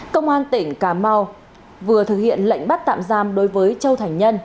công an tỉnh cà mau vừa thực hiện lệnh bắt tạm giam đối với châu thành nhân